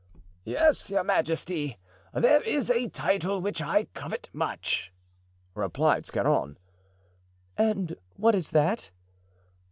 "Yes, your majesty, there is a title which I covet much," replied Scarron. "And what is that?"